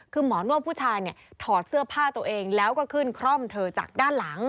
คือหมอนวดผู้ชายเนี่ยถอดเสื้อผ้าตัวเองแล้วก็ขึ้นคร่อมเธอจากด้านหลัง